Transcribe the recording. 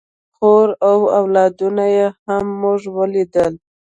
خور او اولادونه یې هم موږ ولیدل.